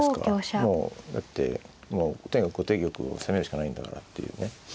もうだってとにかく後手玉を攻めるしかないんだからっていうね。